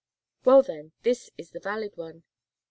"Well, then, this is the valid one."